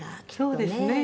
そうですね。